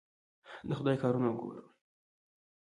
د خدای کارونه ګوره!